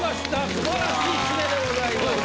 素晴らしい締めでございました。